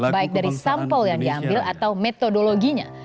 baik dari sampel yang diambil atau metodologinya